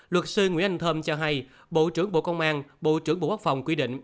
luật sư nguyễn anh thơm cho hay bộ trưởng bộ công an bộ trưởng bộ quốc phòng quy định